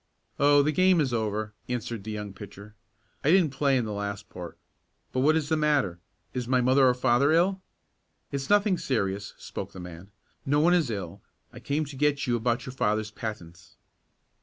"Oh, the game is over," answered the young pitcher. "I didn't play in the last part. But what is the matter? Is my mother or father ill?" "It's nothing serious," spoke the man. "No one is ill. I came to get you about your father's patents."